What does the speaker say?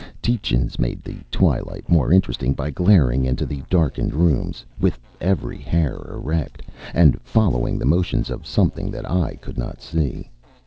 Tietjens made the twilight more interesting by glaring into the darkened rooms, with every hair erect, and following the motions of something that I could not see.